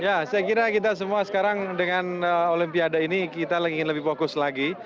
ya saya kira kita semua sekarang dengan olimpiade ini kita ingin lebih fokus lagi